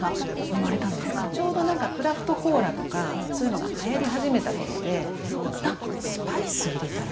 ちょうどなんかクラフトコーラとかそういうのがはやり始めた頃でなんかあっスパイス入れたら？